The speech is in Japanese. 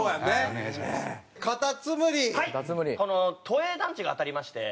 都営団地が当たりまして。